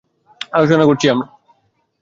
আলোচনা করছি আমরা।